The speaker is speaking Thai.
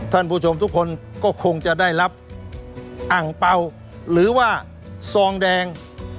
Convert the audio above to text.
ท่านผู้ชมทุกคนก็คงจะได้รับอังเปล่าหรือว่าซองแดง